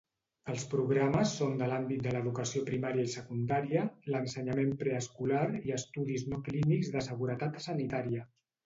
Els programes són de l'àmbit de l'educació primària i secundària, l'ensenyament preescolar i estudis no clínics de seguretat sanitària.